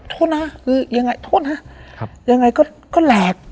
โทษนะยังไงก็แหลก